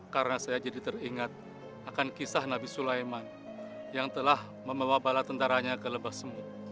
karena saya jadi teringat akan kisah nabi sulaiman yang telah membawa bala tentaranya ke lebah semut